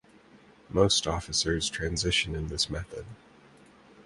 Most officers transition in this method.